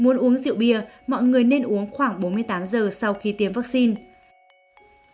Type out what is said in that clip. nếu muốn uống rượu bia mọi người nên uống khoảng bốn mươi tám giờ sau khi tiêm vaccine